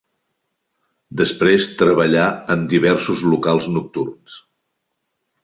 Després treballà en diversos locals nocturns.